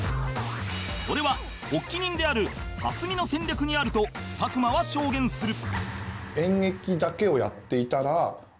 それは発起人である蓮見の戦略にあると佐久間は証言する